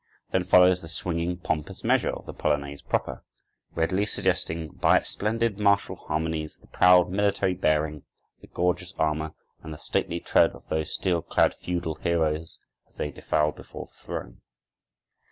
Then follows the swinging, pompous measure of the polonaise proper, readily suggesting by its splendid martial harmonies the proud military bearing, the gorgeous armor, and the stately tread of those steel clad feudal heroes, as they defiled before the throne.